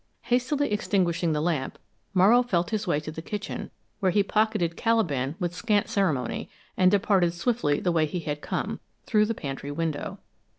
Hastily extinguishing the lamp, Morrow felt his way to the kitchen, where he pocketed Caliban with scant ceremony and departed swiftly the way he had come, through the pantry window.